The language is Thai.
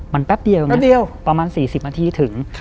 มันแป๊บเดียวประมาณ๔๐นาทีถึง